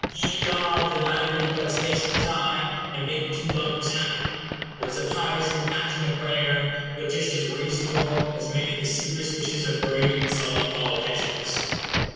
"Ye gods, annihilate but space and time, And make two lovers happy!" was a pious and passionate prayer; but just as reasonable as many of the serious wishes of grave and solemn politicians.